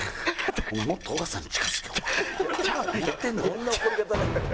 「どんな怒り方なんだよ」